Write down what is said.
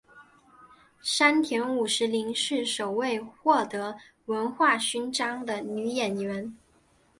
山田五十铃是首位获得文化勋章的女演员。